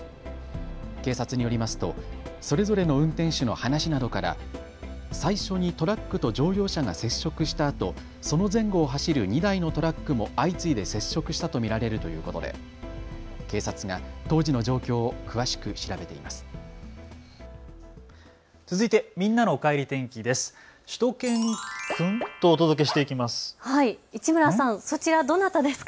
警察によりますとそれぞれの運転手の話などから最初にトラックと乗用車が接触したあと、その前後を走る２台のトラックも相次いで接触したと見られるということで警察が当時の状況を詳しく調べています。